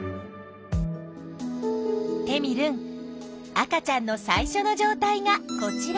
テミルン赤ちゃんの最初の状態がこちら。